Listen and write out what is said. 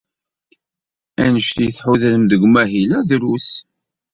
Anect ay tḥudrem deg umahil-a drus.